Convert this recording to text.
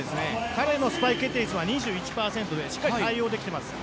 彼のスパイク決定率は２１％でしっかり対応できています。